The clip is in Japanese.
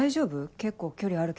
結構距離あるけど。